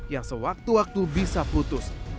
yang sewaktu waktu bisa putus